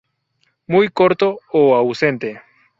Muy corto o ausente.